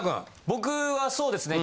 僕はそうですね